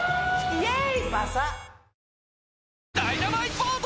イエイ！